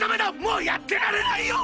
もうやってられないよ！